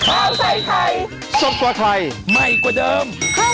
อ้าวไทยรัฐนิวโชว์รออยู่คุณผู้ชมค่ะ